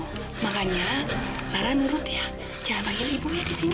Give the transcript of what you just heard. nggak nggak tahu